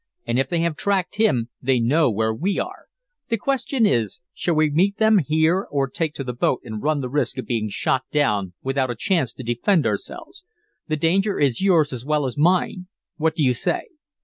"And if they have tracked him, they know we are here. The question is, shall we meet them here or take to the boat and run the risk of being shot down without a chance to defend ourselves? The danger is yours as well as mine. What do you say?"